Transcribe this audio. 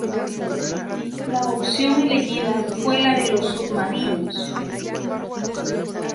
La opción elegida fue la de los submarinos.